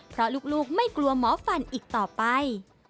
เพราะลูกไม่กลัวหมอฟันอีกต่อไป